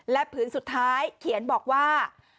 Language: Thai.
และผืนสุดท้ายเขียนบอกว่า